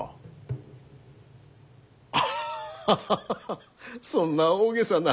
ハハハハそんな大げさな。